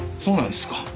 そうなんですか？